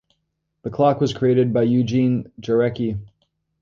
The clock was created by Eugene Jarecki.